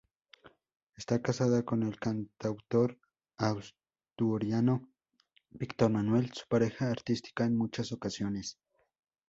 Está casada con el cantautor asturiano Víctor Manuel, su pareja artística en muchas ocasiones.